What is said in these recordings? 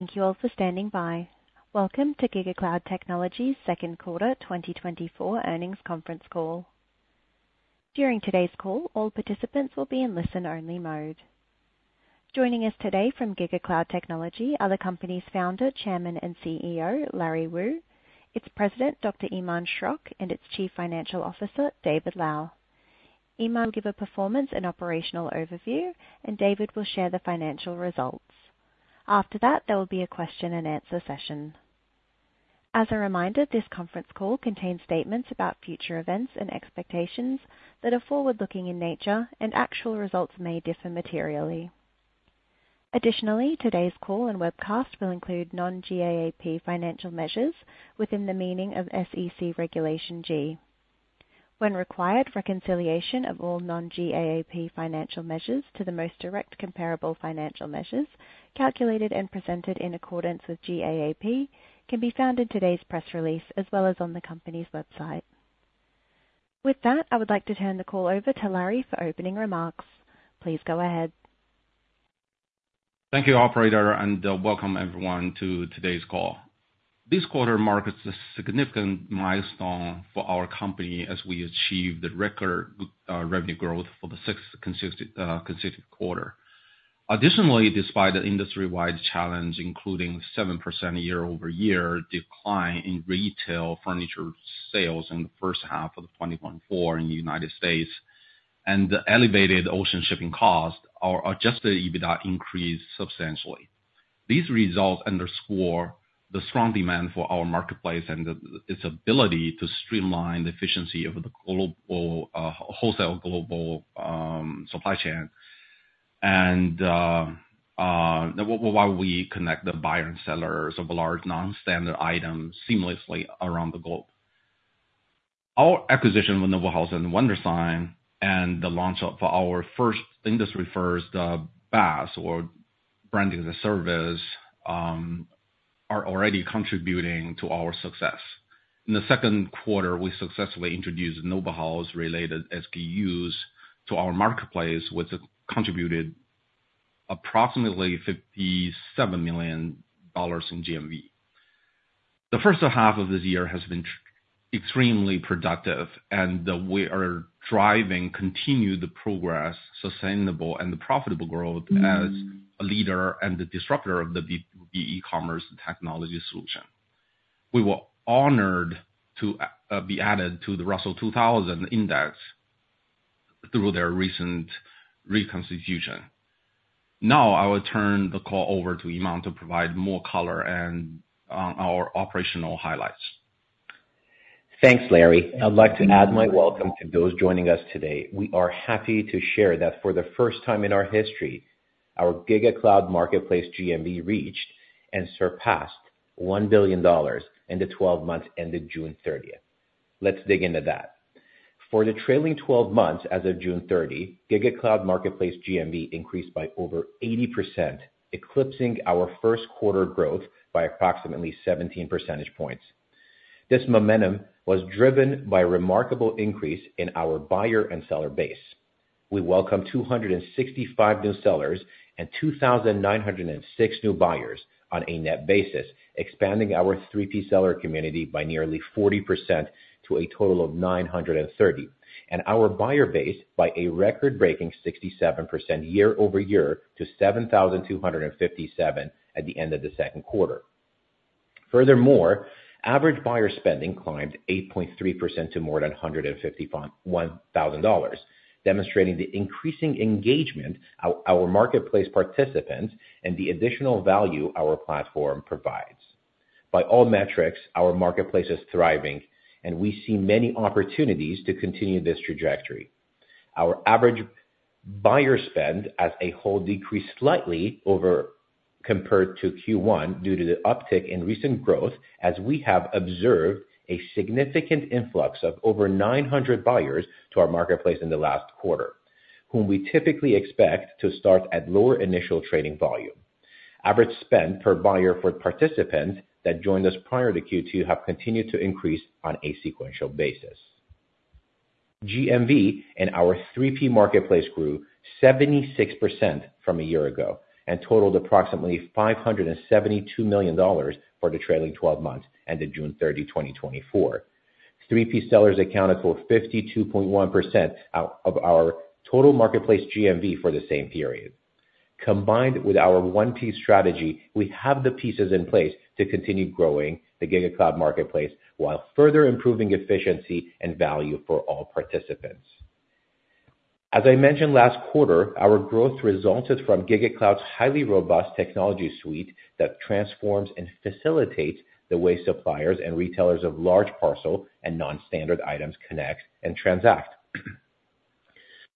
Thank you all for standing by. Welcome to GigaCloud Technology's Second Quarter 2024 Earnings Conference Call. During today's call, all participants will be in listen-only mode. Joining us today from GigaCloud Technology are the company's founder, chairman, and Chief Executive Officer, Larry Wu; its president, Dr. Iman Schrock; and its Chief Financial Officer, David Lau. Iman will give a performance and operational overview, and David will share the financial results. After that, there will be a question-and-answer session. As a reminder, this conference call contains statements about future events and expectations that are forward-looking in nature, and actual results may differ materially. Additionally, today's call and webcast will include non-GAAP financial measures within the meaning of SEC Regulation G. When required, reconciliation of all non-GAAP financial measures to the most direct comparable financial measures, calculated and presented in accordance with GAAP, can be found in today's press release as well as on the company's website. With that, I would like to turn the call over to Larry for opening remarks. Please go ahead. Thank you, operator, and welcome everyone to today's call. This quarter marks a significant milestone for our company as we achieve the record revenue growth for the sixth consecutive quarter. Additionally, despite the industry-wide challenge, including 7% year-over-year decline in retail furniture sales in the first half of 2024 in the United States, and the elevated ocean shipping costs, our Adjusted EBITDA increased substantially. These results underscore the strong demand for our marketplace and its ability to streamline the efficiency of the global wholesale supply chain while we connect the buyer and sellers of large, non-standard items seamlessly around the globe. Our acquisition with Noble House and Wondersign and the launch of our first industry-first BaaS, or Branding-as-a-Service, are already contributing to our success. In the second quarter, we successfully introduced Noble House-related SKUs to our marketplace, which contributed approximately $57 million in GMV. The first half of this year has been extremely productive, and we are driving continued progress, sustainable and profitable growth as a leader and a disruptor of the B2B e-commerce technology solution. We were honored to be added to the Russell 2000 Index through their recent reconstitution. Now, I will turn the call over to Iman to provide more color on our operational highlights. Thanks, Larry. I'd like to add my welcome to those joining us today. We are happy to share that for the first time in our history, our GigaCloud Marketplace GMV reached and surpassed $1 billion in the twelve months ended June 30. Let's dig into that. For the trailing twelve months, as of June 30, GigaCloud Marketplace GMV increased by over 80%, eclipsing our first quarter growth by approximately 17 percentage points. This momentum was driven by a remarkable increase in our buyer and seller base. We welcomed 265 new sellers and 2,906 new buyers on a net basis, expanding our 3P seller community by nearly 40% to a total of 930, and our buyer base by a record-breaking 67% year-over-year to 7,257 at the end of the second quarter. Furthermore, average buyer spending climbed 8.3% to more than $151,000, demonstrating the increasing engagement our marketplace participants and the additional value our platform provides. By all metrics, our marketplace is thriving, and we see many opportunities to continue this trajectory. Our average buyer spend as a whole decreased slightly compared to Q1 due to the uptick in recent growth, as we have observed a significant influx of over 900 buyers to our marketplace in the last quarter, whom we typically expect to start at lower initial trading volume. Average spend per buyer for participants that joined us prior to Q2 have continued to increase on a sequential basis. GMV in our 3P marketplace grew 76% from a year ago and totaled approximately $572 million for the trailing twelve months ended June 30, 2024. 3P sellers accounted for 52.1% out of our total marketplace GMV for the same period. Combined with our 1P strategy, we have the pieces in place to continue growing the GigaCloud Marketplace, while further improving efficiency and value for all participants. As I mentioned last quarter, our growth resulted from GigaCloud's highly robust technology suite that transforms and facilitates the way suppliers and retailers of large parcel and non-standard items connect and transact.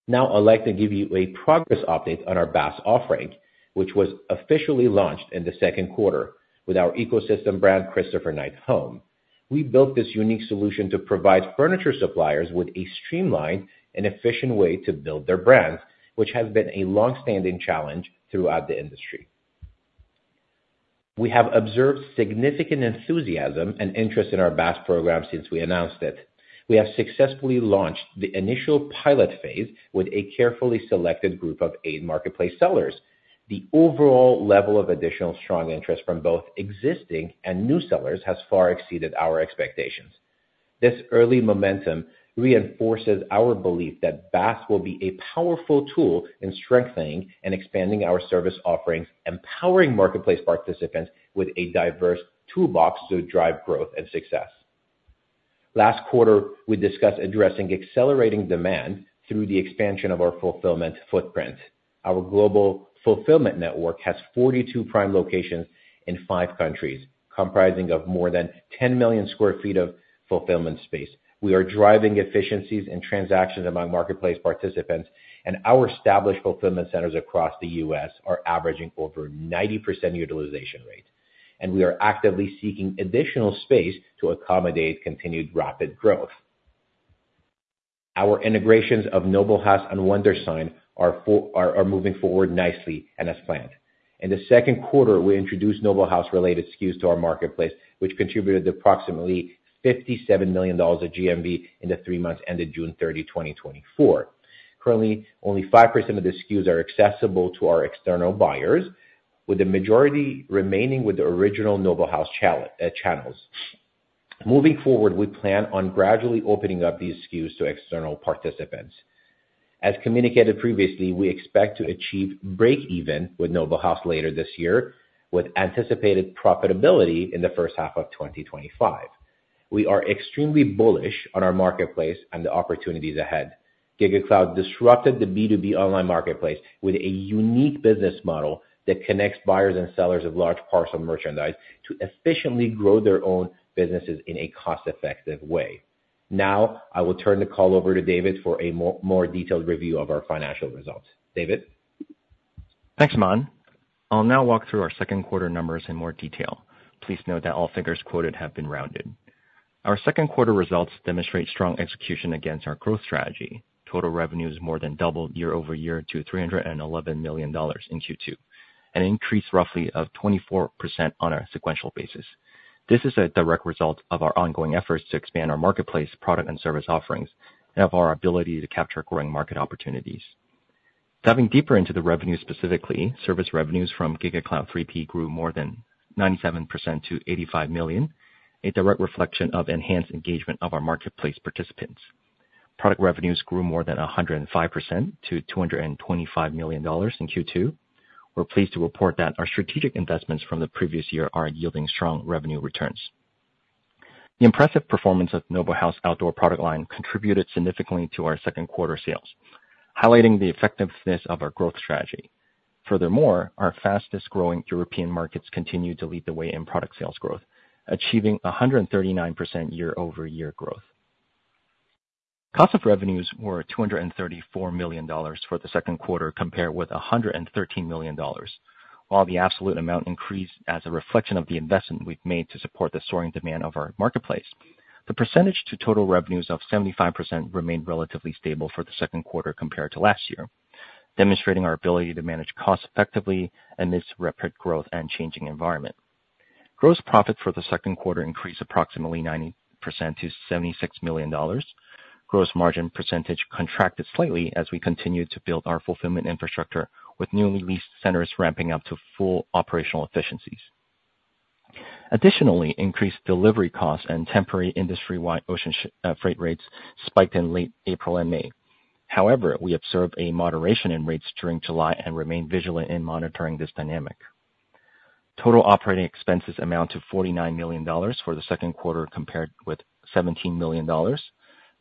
Now, I'd like to give you a progress update on our BaaS offering, which was officially launched in the second quarter with our ecosystem brand, Christopher Knight Home. We built this unique solution to provide furniture suppliers with a streamlined and efficient way to build their brands, which has been a long-standing challenge throughout the industry. We have observed significant enthusiasm and interest in our BaaS program since we announced it. We have successfully launched the initial pilot phase with a carefully selected group of 8 marketplace sellers. The overall level of additional strong interest from both existing and new sellers has far exceeded our expectations.... This early momentum reinforces our belief that BaaS will be a powerful tool in strengthening and expanding our service offerings, empowering marketplace participants with a diverse toolbox to drive growth and success. Last quarter, we discussed addressing accelerating demand through the expansion of our fulfillment footprint. Our global fulfillment network has 42 prime locations in five countries, comprising of more than 10 million sq ft of fulfillment space. We are driving efficiencies and transactions among marketplace participants, and our established fulfillment centers across the U.S. are averaging over 90% utilization rate, and we are actively seeking additional space to accommodate continued rapid growth. Our integrations of Noble House and Wondersign are moving forward nicely and as planned. In the second quarter, we introduced Noble House-related SKUs to our marketplace, which contributed approximately $57 million of GMV in the three months ended June 30, 2024. Currently, only 5% of the SKUs are accessible to our external buyers, with the majority remaining with the original Noble House channels. Moving forward, we plan on gradually opening up these SKUs to external participants. As communicated previously, we expect to achieve breakeven with Noble House later this year, with anticipated profitability in the first half of 2025. We are extremely bullish on our marketplace and the opportunities ahead. GigaCloud disrupted the B2B online marketplace with a unique business model that connects buyers and sellers of large parcel merchandise to efficiently grow their own businesses in a cost-effective way. Now, I will turn the call over to David for a more, more detailed review of our financial results. David? Thanks, Iman. I'll now walk through our second quarter numbers in more detail. Please note that all figures quoted have been rounded. Our second quarter results demonstrate strong execution against our growth strategy. Total revenues more than doubled year-over-year to $311 million in Q2, an increase roughly of 24% on a sequential basis. This is a direct result of our ongoing efforts to expand our marketplace, product and service offerings, and of our ability to capture growing market opportunities. Diving deeper into the revenue, specifically, service revenues from GigaCloud 3P grew more than 97% to $85 million, a direct reflection of enhanced engagement of our marketplace participants. Product revenues grew more than 105% to $225 million in Q2. We're pleased to report that our strategic investments from the previous year are yielding strong revenue returns. The impressive performance of Noble House outdoor product line contributed significantly to our second quarter sales, highlighting the effectiveness of our growth strategy. Furthermore, our fastest growing European markets continue to lead the way in product sales growth, achieving 139% year-over-year growth. Cost of Revenues were $234 million for the second quarter, compared with $113 million. While the absolute amount increased as a reflection of the investment we've made to support the soaring demand of our marketplace, the percentage to total revenues of 75% remained relatively stable for the second quarter compared to last year, demonstrating our ability to manage costs effectively amidst rapid growth and changing environment. Gross profit for the second quarter increased approximately 90% to $76 million. Gross margin percentage contracted slightly as we continued to build our fulfillment infrastructure, with newly leased centers ramping up to full operational efficiencies. Additionally, increased delivery costs and temporary industry-wide ocean freight rates spiked in late April and May. However, we observed a moderation in rates during July and remain vigilant in monitoring this dynamic. Total operating expenses amount to $49 million for the second quarter, compared with $17 million.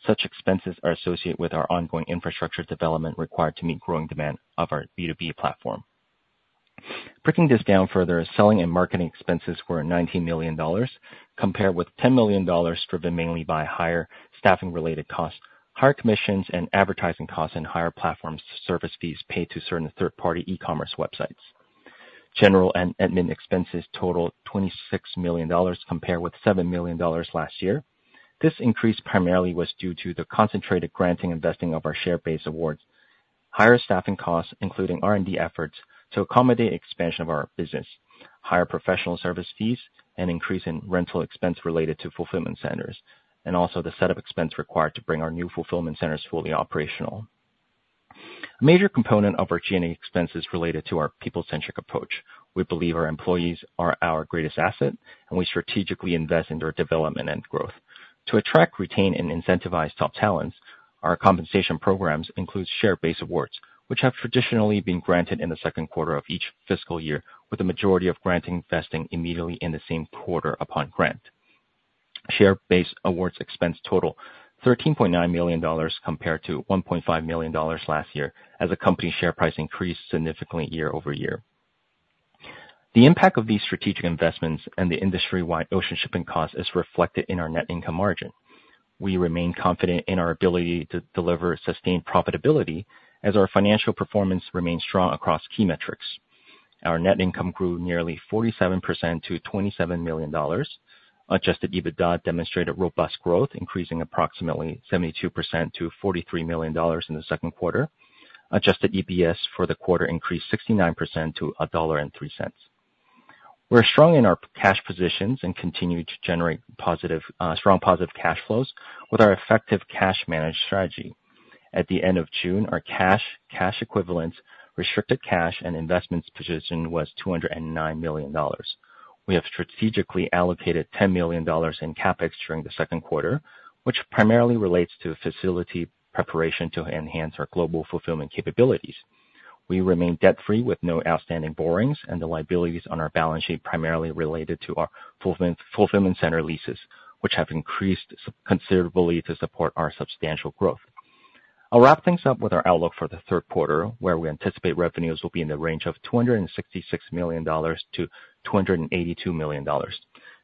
Such expenses are associated with our ongoing infrastructure development required to meet growing demand of our B2B platform. Breaking this down further, selling and marketing expenses were $19 million, compared with $10 million, driven mainly by higher staffing-related costs, higher commissions and advertising costs, and higher platform service fees paid to certain third-party e-commerce websites. General and administrative expenses totaled $26 million, compared with $7 million last year. This increase primarily was due to the concentrated granting and vesting of our share-based awards, higher staffing costs, including R&D efforts to accommodate expansion of our business, higher professional service fees, and increase in rental expense related to fulfillment centers, and also the set of expense required to bring our new fulfillment centers fully operational. A major component of our G&A expense is related to our people-centric approach. We believe our employees are our greatest asset, and we strategically invest in their development and growth. To attract, retain, and incentivize top talents, our compensation programs include share-based awards, which have traditionally been granted in the second quarter of each fiscal year, with the majority of granting vesting immediately in the same quarter upon grant. Share-based awards expense total $13.9 million, compared to $1.5 million last year, as the company's share price increased significantly year-over-year. The impact of these strategic investments and the industry-wide ocean shipping cost is reflected in our net income margin. We remain confident in our ability to deliver sustained profitability as our financial performance remains strong across key metrics. Our net income grew nearly 47% to $27 million. Adjusted EBITDA demonstrated robust growth, increasing approximately 72% to $43 million in the second quarter. Adjusted EPS for the quarter increased 69% to $1.03. We're strong in our cash positions and continue to generate strong, positive cash flows with our effective cash management strategy. At the end of June, our cash, cash equivalents, restricted cash and investments position was $209 million. We have strategically allocated $10 million in CapEx during the second quarter, which primarily relates to facility preparation to enhance our global fulfillment capabilities. We remain debt-free, with no outstanding borrowings, and the liabilities on our balance sheet primarily related to our fulfillment center leases, which have increased considerably to support our substantial growth. I'll wrap things up with our outlook for the third quarter, where we anticipate revenues will be in the range of $266 million-$282 million.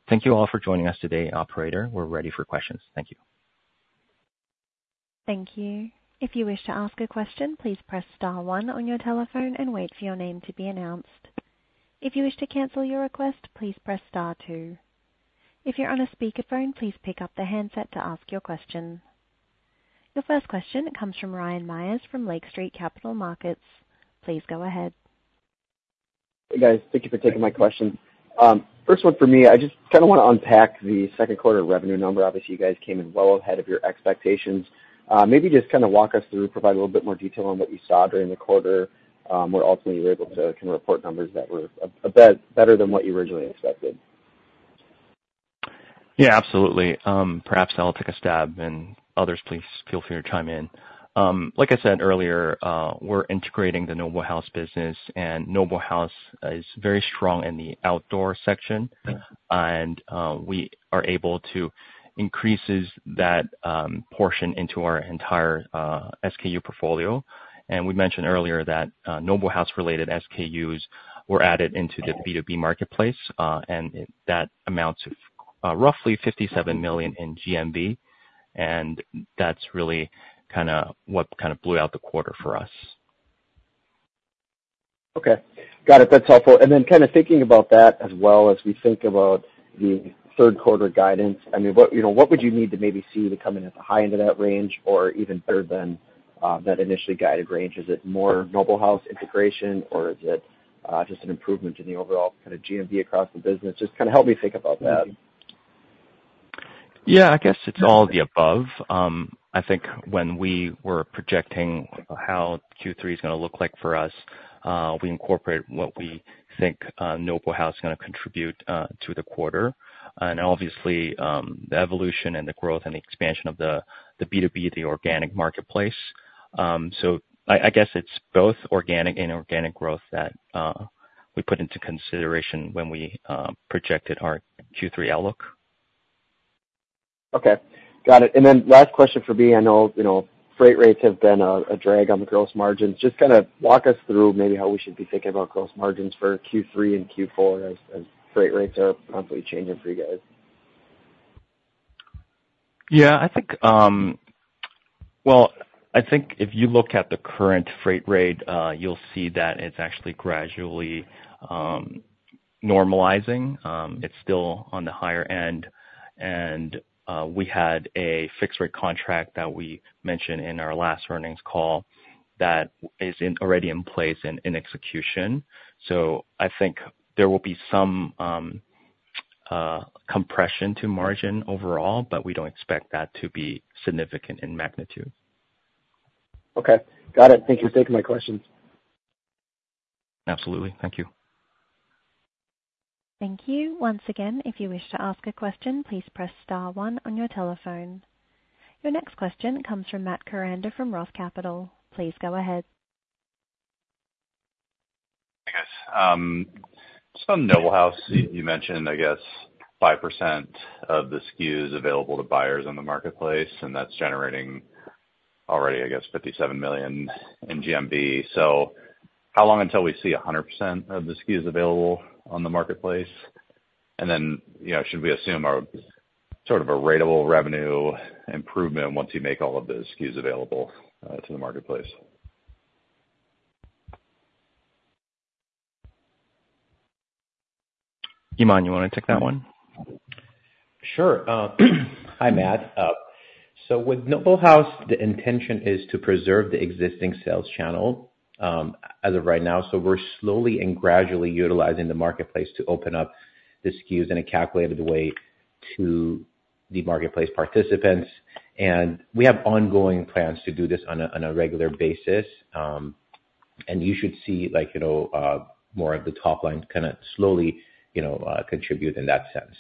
Thank you all for joining us today. Operator, we're ready for questions. Thank you. Thank you. If you wish to ask a question, please press star one on your telephone and wait for your name to be announced. If you wish to cancel your request, please press star two. If you're on a speakerphone, please pick up the handset to ask your question. Your first question comes from Ryan Meyers from Lake Street Capital Markets. Please go ahead. Hey, guys. Thank you for taking my question. First one for me, I just kind of want to unpack the second quarter revenue number. Obviously, you guys came in well ahead of your expectations. Maybe just kind of walk us through, provide a little bit more detail on what you saw during the quarter, where ultimately you were able to kind of report numbers that were a bit better than what you originally expected. Yeah, absolutely. Perhaps I'll take a stab, and others, please feel free to chime in. Like I said earlier, we're integrating the Noble House business, and Noble House is very strong in the outdoor section. Mm-hmm. We are able to increases that portion into our entire SKU portfolio. We mentioned earlier that Noble House-related SKUs were added into the B2B marketplace, and that amounts to roughly $57 million in GMV, and that's really kind of what kind of blew out the quarter for us. Okay. Got it. That's helpful. And then kind of thinking about that as well as we think about the third quarter guidance, I mean, what, you know, what would you need to maybe see to come in at the high end of that range or even better than that initially guided range? Is it more Noble House integration, or is it just an improvement in the overall kind of GMV across the business? Just kind of help me think about that. Yeah, I guess it's all the above. I think when we were projecting how Q3 is gonna look like for us, we incorporate what we think, Noble House is gonna contribute, to the quarter, and obviously, the evolution and the growth and the expansion of the, the B2B, the organic marketplace. So I, I guess it's both organic and inorganic growth that, we put into consideration when we, projected our Q3 outlook. Okay, got it. And then last question for me: I know, you know, freight rates have been a drag on the gross margins. Just kind of walk us through maybe how we should be thinking about gross margins for Q3 and Q4 as freight rates are probably changing for you guys. Yeah, I think, Well, I think if you look at the current freight rate, you'll see that it's actually gradually normalizing. It's still on the higher end, and we had a fixed rate contract that we mentioned in our last earnings call that is already in place and in execution. So I think there will be some compression to margin overall, but we don't expect that to be significant in magnitude. Okay, got it. Thank you for taking my questions. Absolutely. Thank you. Thank you. Once again, if you wish to ask a question, please press star one on your telephone. Your next question comes from Matt Koranda from Roth Capital Partners. Please go ahead. Hey, guys. Just on Noble House, you mentioned, I guess, 5% of the SKUs available to buyers on the marketplace, and that's generating already, I guess, $57 million in GMV. So how long until we see 100% of the SKUs available on the marketplace? And then, you know, should we assume a sort of ratable revenue improvement once you make all of the SKUs available to the marketplace? Iman, you want to take that one? Sure. Hi, Matt. So with Noble House, the intention is to preserve the existing sales channel as of right now. So we're slowly and gradually utilizing the marketplace to open up the SKUs in a calculated way to the marketplace participants, and we have ongoing plans to do this on a regular basis. And you should see like, you know, more of the top line kind of slowly, you know, contribute in that sense.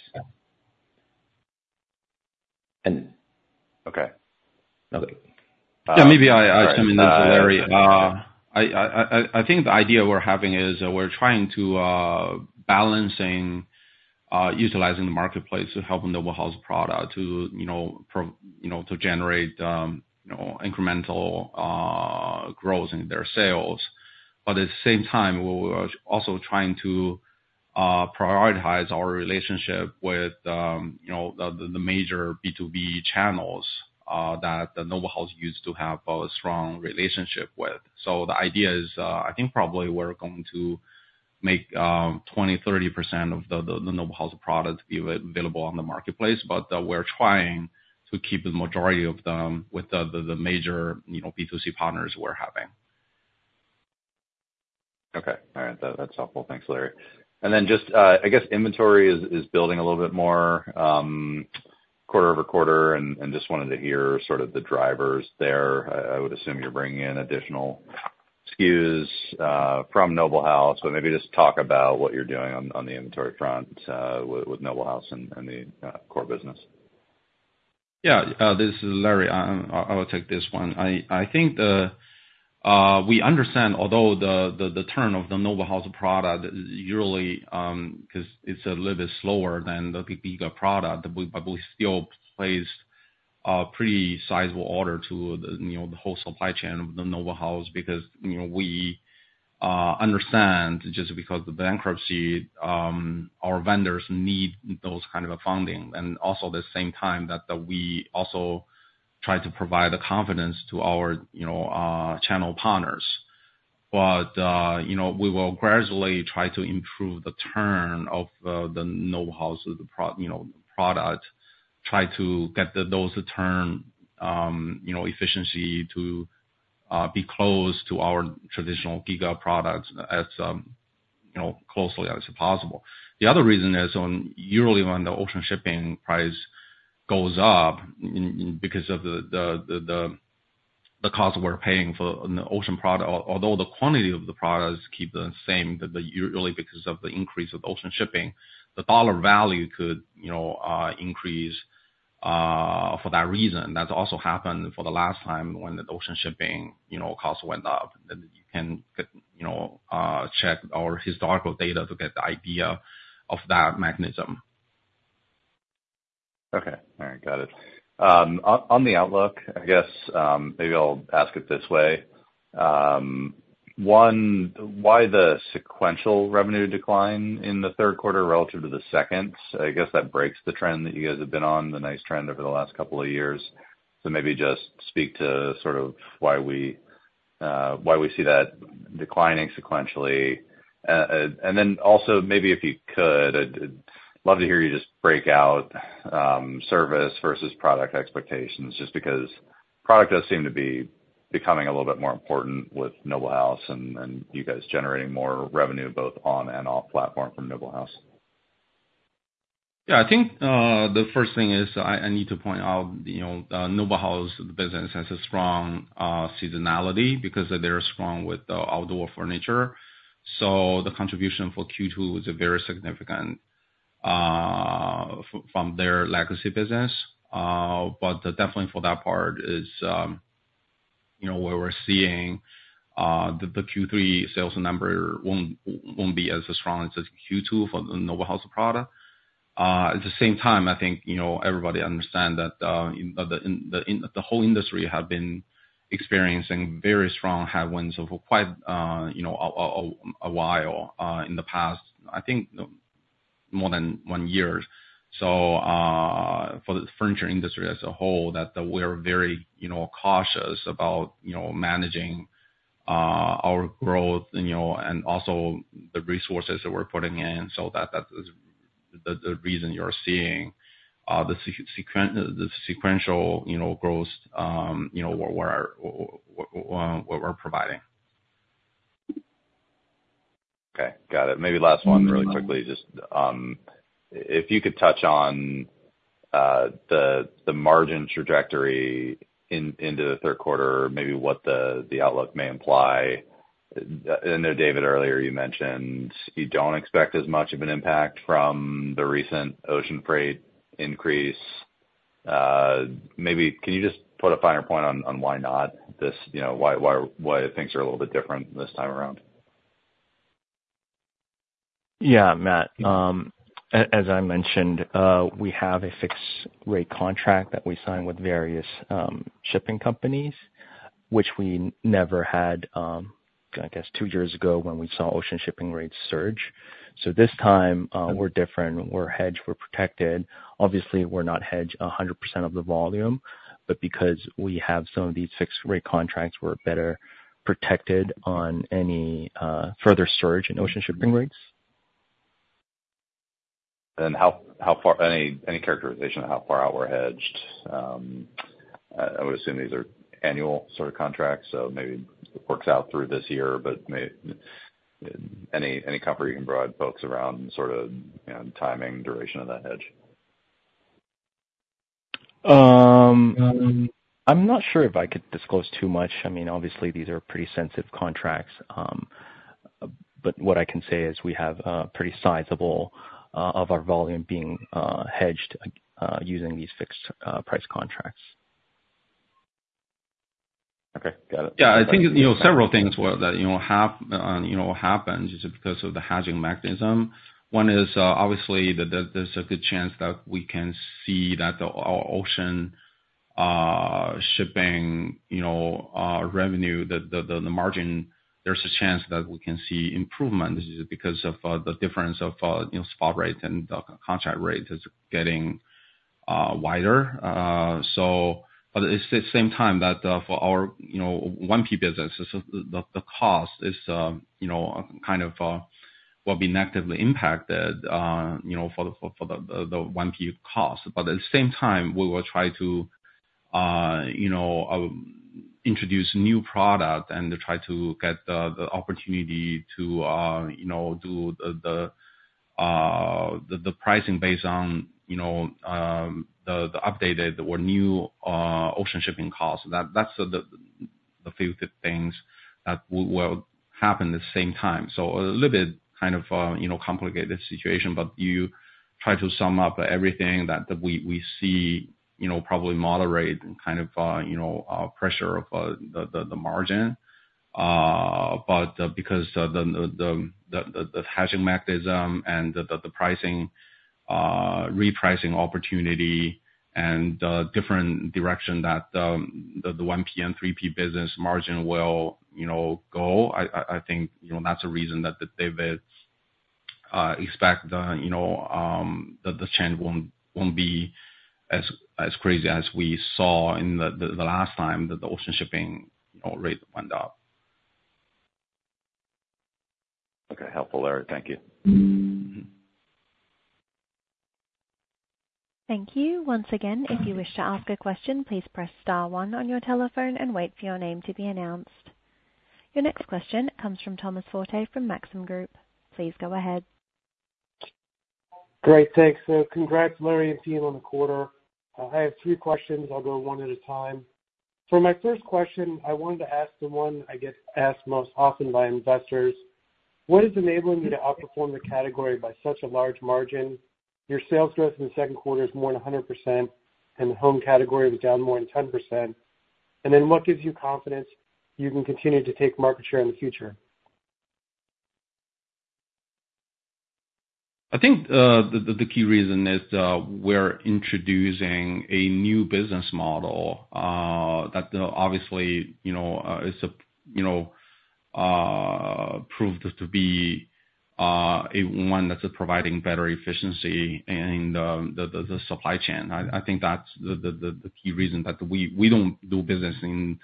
And- Okay. Okay. Yeah, maybe. All right. I think the idea we're having is that we're trying to balancing utilizing the marketplace to help Noble House product to, you know, to generate, you know, incremental growth in their sales. But at the same time, we're also trying to prioritize our relationship with, you know, the major B2B channels that the Noble House used to have a strong relationship with. So the idea is, I think probably we're going to make 20%-30% of the Noble House product be available on the marketplace, but we're trying to keep the majority of them with the major, you know, B2C partners we're having. Okay. All right, that, that's helpful. Thanks, Larry. And then just, I guess inventory is building a little bit more, quarter-over-quarter, and just wanted to hear sort of the drivers there. I would assume you're bringing in additional SKUs from Noble House, but maybe just talk about what you're doing on the inventory front with Noble House and the core business. Yeah, this is Larry. I will take this one. I think we understand, although the turn of the Noble House product usually 'cause it's a little bit slower than the Giga product, but we still placed a pretty sizable order to the whole supply chain of the Noble House, because we understand just because the bankruptcy, our vendors need those kind of a funding. And also, the same time that we also try to provide the confidence to our channel partners. But, you know, we will gradually try to improve the turn of the Noble House product, try to get those return efficiency to be close to our traditional Giga products as closely as possible. The other reason is on, usually when the ocean shipping price goes up, because of the cost we're paying for an ocean product, although the quantity of the products keep the same, usually because of the increase of ocean shipping, the dollar value could, you know, increase, for that reason. That also happened for the last time when the ocean shipping, you know, cost went up. And you can, you know, check our historical data to get the idea of that mechanism. Okay. All right, got it. On the outlook, I guess, maybe I'll ask it this way. One, why the sequential revenue decline in the third quarter relative to the second? I guess that breaks the trend that you guys have been on, the nice trend over the last couple of years. So maybe just speak to sort of why we see that declining sequentially. And then also, maybe if you could, I'd love to hear you just break out service versus product expectations, just because product does seem to be becoming a little bit more important with Noble House and you guys generating more revenue, both on and off platform from Noble House. Yeah, I think, the first thing is I need to point out, you know, Noble House business has a strong seasonality because they're strong with outdoor furniture. So the contribution for Q2 was very significant from their legacy business. But definitely for that part is, you know, where we're seeing the Q3 sales number won't be as strong as Q2 for the Noble House product. At the same time, I think, you know, everybody understand that the whole industry have been experiencing very strong headwinds over quite, you know, a while in the past, I think more than one year. So, for the furniture industry as a whole, that we're very, you know, cautious about, you know, managing, our growth, and, you know, and also the resources that we're putting in, so that, that's the, the reason you're seeing, the sequential, you know, growth, you know, where we're what we're providing. Okay, got it. Maybe last one really quickly. Just, if you could touch on the margin trajectory into the third quarter, maybe what the outlook may imply. I know, David, earlier, you mentioned you don't expect as much of an impact from the recent ocean freight increase. Maybe can you just put a finer point on why not this, you know, why things are a little bit different this time around? Yeah, Matt. As I mentioned, we have a fixed rate contract that we sign with various shipping companies, which we never had, I guess two years ago, when we saw ocean shipping rates surge. So this time, we're different, we're hedged, we're protected. Obviously, we're not hedged 100% of the volume, but because we have some of these fixed rate contracts, we're better protected on any further surge in ocean shipping rates. And how far... Any characterization of how far out we're hedged? I would assume these are annual sort of contracts, so maybe it works out through this year, but any comfort you can provide folks around sort of, you know, timing, duration of that hedge? I'm not sure if I could disclose too much. I mean, obviously, these are pretty sensitive contracts, but what I can say is we have pretty sizable of our volume being hedged using these fixed price contracts. Okay, got it. Yeah, I think, you know, several things will, you know, happens is because of the hedging mechanism. One is, obviously, that there's a good chance that we can see that the ocean shipping, you know, revenue, the margin, there's a chance that we can see improvement. This is because of, the difference of, you know, spot rate and the contract rate is getting, wider. So, but it's the same time that, for our, you know, 1P business, the cost is, you know, kind of, will be negatively impacted, you know, for the, the 1P cost. But at the same time, we will try to-... You know, introduce new product and try to get the opportunity to, you know, do the pricing based on, you know, the updated or new ocean shipping costs. That's the few things that will happen the same time. So a little bit kind of, you know, complicated situation, but you try to sum up everything that we see, you know, probably moderate and kind of, you know, pressure of the margin. But, because of the hedging mechanism and the pricing repricing opportunity and different direction that the 1P and 3P business margin will, you know, go, I think, you know, that's the reason that they will expect, you know, that the change won't be as crazy as we saw in the last time that the ocean shipping, you know, rate went up. Okay. Helpful, Larry. Thank you. Thank you. Once again, if you wish to ask a question, please press star one on your telephone and wait for your name to be announced. Your next question comes from Thomas Forte from Maxim Group. Please go ahead. Great, thanks. So congrats, Larry and team, on the quarter. I have three questions. I'll go one at a time. For my first question, I wanted to ask the one I get asked most often by investors: What is enabling you to outperform the category by such a large margin? Your sales growth in the second quarter is more than 100%, and the home category was down more than 10%. And then, what gives you confidence you can continue to take market share in the future? I think the key reason is we're introducing a new business model that obviously you know is you know proved to be a one that is providing better efficiency in the supply chain. I think that's the key reason that we... We don't do business in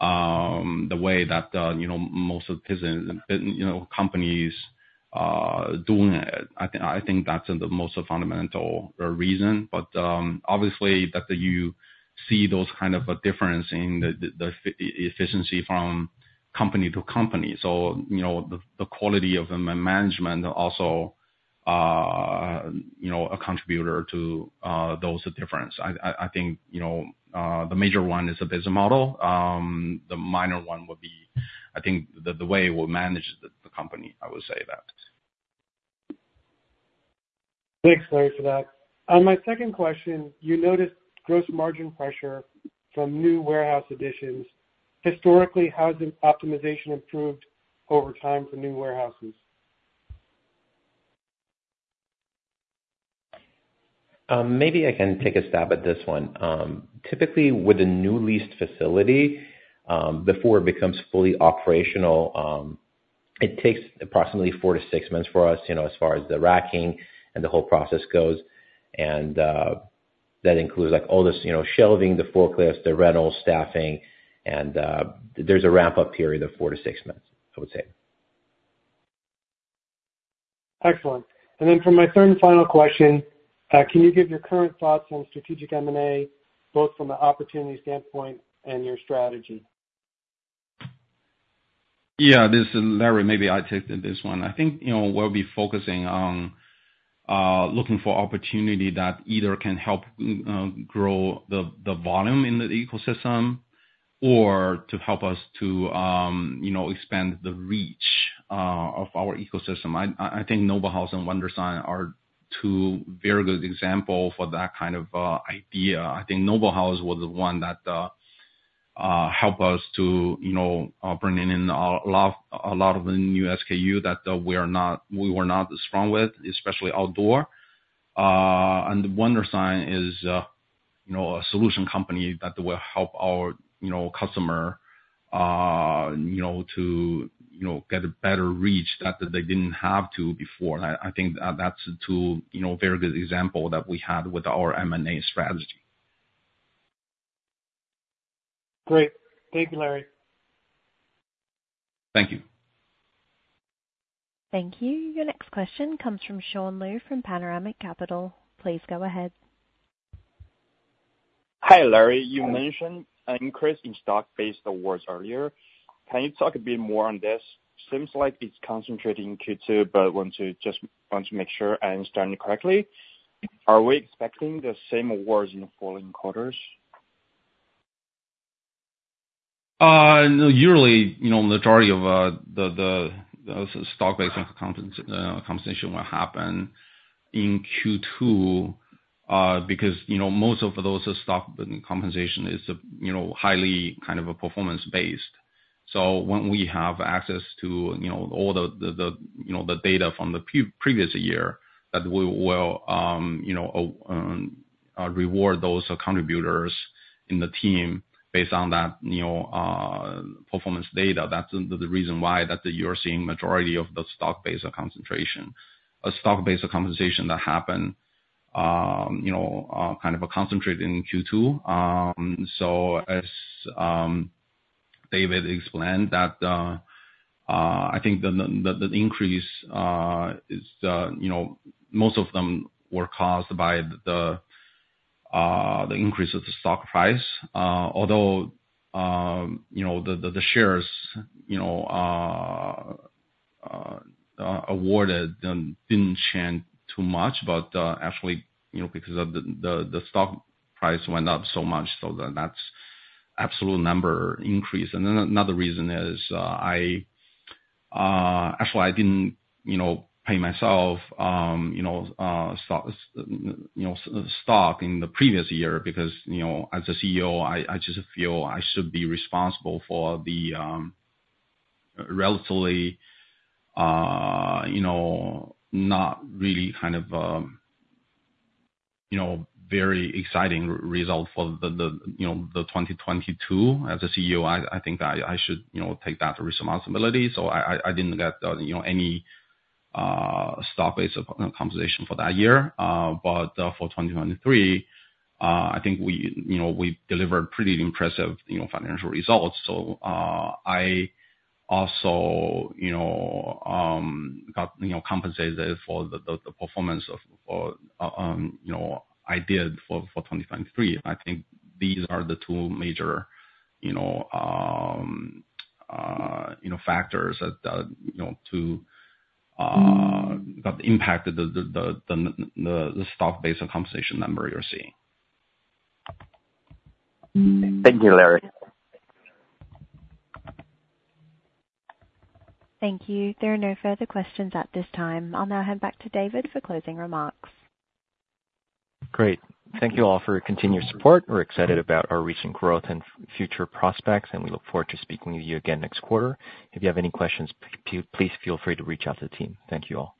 the way that you know most of business you know companies doing it. I think that's the most fundamental reason, but obviously that you see those kind of difference in the efficiency from company to company. So you know the quality of the management also you know a contributor to those difference. I think you know the major one is the business model. The minor one would be, I think, the way we manage the company, I would say that. Thanks, Larry, for that. On my second question, you noted gross margin pressure from new warehouse additions. Historically, how has optimization improved over time for new warehouses? Maybe I can take a stab at this one. Typically, with a new leased facility, before it becomes fully operational, it takes approximately 4-6 months for us, you know, as far as the racking and the whole process goes. That includes, like, all this, you know, shelving, the forklifts, the rental, staffing, and there's a ramp-up period of 4-6 months, I would say. Excellent. For my third and final question, can you give your current thoughts on strategic M&A, both from an opportunity standpoint and your strategy? Yeah. This is Larry. Maybe I take this one. I think, you know, we'll be focusing on looking for opportunity that either can help grow the volume in the ecosystem or to help us to, you know, expand the reach of our ecosystem. I think Noble House and Wondersign are two very good example for that kind of idea. I think Noble House was the one that help us to, you know, bring in a lot of the new SKU that we were not as strong with, especially outdoor. And Wondersign is, you know, a solution company that will help our customer to get a better reach that they didn't have to before. I think that's two, you know, very good example that we have with our M&A strategy. Great. Thank you, Larry. Thank you. Thank you. Your next question comes from Sean Lu from Panoramic Capital. Please go ahead. Hi, Larry. You mentioned an increase in stock-based awards earlier. Can you talk a bit more on this? Seems like it's concentrating Q2, but want to make sure I understand you correctly. Are we expecting the same awards in the following quarters? Usually, you know, majority of the stock-based compensation will happen in Q2, because, you know, most of those stock compensation is, you know, highly kind of a performance-based. So when we have access to, you know, all the you know the data from the previous year, that we will, you know, reward those contributors in the team based on that, you know, performance data. That's the reason why that you're seeing majority of the stock-based concentration stock-based compensation that happen, you know, kind of concentrated in Q2. So as David explained that, I think the increase is, you know, most of them were caused by the increase of the stock price. Although, you know, the shares, you know, awarded didn't change too much, but actually, you know, because of the stock price went up so much, so then that's absolute number increase. And then another reason is, actually I didn't, you know, pay myself, you know, stock, you know, stock in the previous year because, you know, as a CEO, I just feel I should be responsible for the, relatively, you know, not really kind of, you know, very exciting result for the, you know, the 2022. As a CEO, I think I should, you know, take that responsibility. So I didn't get, you know, any stock-based compensation for that year. But, for 2023, I think we, you know, we delivered pretty impressive, you know, financial results. So, I also, you know, got, you know, compensated for the performance of, you know, I did for 2023. I think these are the two major, you know, factors that, you know, that impacted the stock-based compensation number you're seeing. Thank you, Larry. Thank you. There are no further questions at this time. I'll now hand back to David for closing remarks. Great. Thank you all for your continued support. We're excited about our recent growth and future prospects, and we look forward to speaking with you again next quarter. If you have any questions, please feel free to reach out to the team. Thank you all.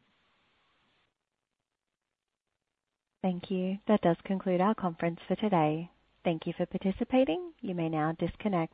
Thank you. That does conclude our conference for today. Thank you for participating. You may now disconnect.